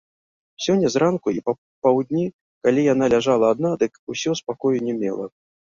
Сёння зранку і папаўдні, калі яна ляжала адна, дык усё спакою не мела.